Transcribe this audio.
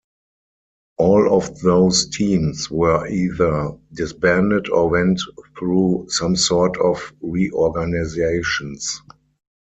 All of those teams were either disbanded or went through some sort of reorganizations.